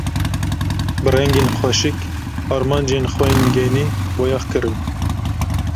Bi rengên xweşik armancên xwe yên genî boyax kirin.